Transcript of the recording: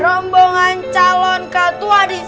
rombongan calon katu hadis